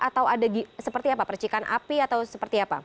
atau ada seperti apa percikan api atau seperti apa